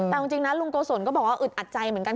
แต่เอาจริงนะลุงโกศลก็บอกว่าอึดอัดใจเหมือนกัน